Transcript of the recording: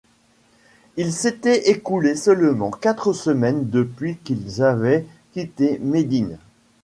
Il s'était écoulé seulement quatre semaines depuis qu'ils avaient quitté Médine.